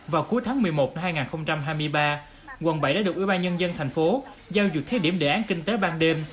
vào cuối tháng một mươi một năm hai nghìn hai mươi ba quận bảy đã được ủy ban nhân dân thành phố giao dựt thế điểm đề án kinh tế ban đêm